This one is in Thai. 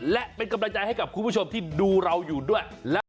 และเป็นกำลังใจให้กับคุณผู้ชมที่ดูเราอยู่ด้วย